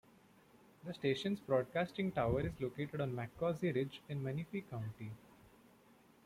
The station's broadcasting tower is located on McCausey Ridge in Menifee County.